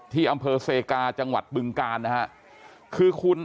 ที่อำเภอเซกาจังหวัดบึงกาน